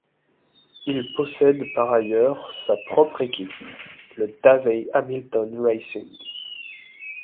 Il possède par ailleurs sa propre équipe, le Davey Hamilton Racing.